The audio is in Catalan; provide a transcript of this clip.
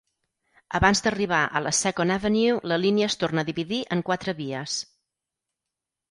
Abans d'arribar a la "Second Avenue", la línia es torna a dividir en quatre vies.